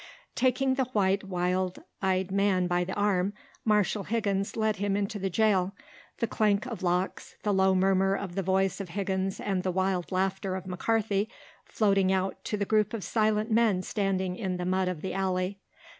Taking the white, wild eyed man by the arm Marshal Higgins led him into the jail, the clank of locks, the low murmur of the voice of Higgins and the wild laughter of McCarthy floating out to the group of silent men standing in the mud of the alley.